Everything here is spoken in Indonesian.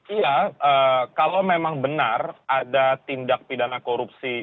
iya kalau memang benar ada tindak pidana korupsi